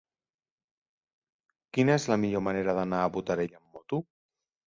Quina és la millor manera d'anar a Botarell amb moto?